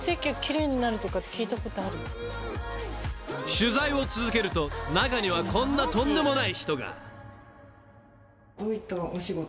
［取材を続けると中にはこんなとんでもない人が］